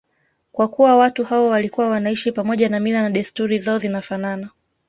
Kwa kuwa watu hao walikuwa wanaishi pamoja na mila na desturi zao zinafanana